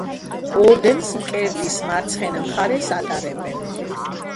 ორდენს მკერდის მარცხენა მხარეს ატარებენ.